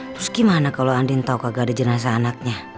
terus gimana kalau andin tau gak ada jenazah anaknya